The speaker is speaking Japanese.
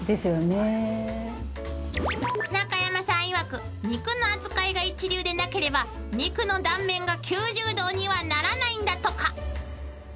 いわく肉の扱いが一流でなければ肉の断面が９０度にはならないんだとか］